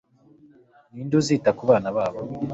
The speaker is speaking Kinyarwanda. ninde uzita ku bana babo